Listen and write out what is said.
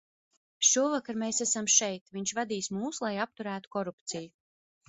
Šovakar mēs esam šeit, viņš vadīs mūs, lai apturētu korupciju.